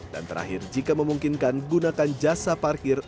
dan terakhir jika memungkinkan gunakan jasa parkir